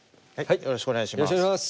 よろしくお願いします。